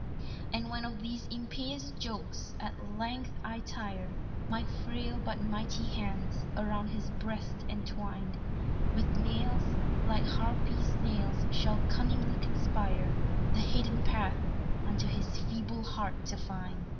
"And when of these impious jokes at length I tire, My frail but mighty hands, around his breast entwined, With nails, like harpies' nails, shall cunningly conspire The hidden path unto his feeble heart to find."